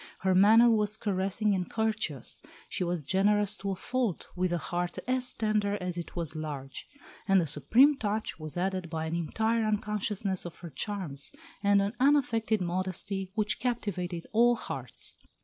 Her manner was caressing and courteous; she was generous to a fault, with a heart as tender as it was large. And the supreme touch was added by an entire unconsciousness of her charms, and an unaffected modesty which captivated all hearts.